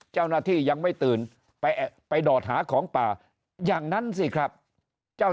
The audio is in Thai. เจ้าหน้าที่ยังไม่ตื่นไปไปดอดหาของป่าอย่างนั้นสิครับเจ้า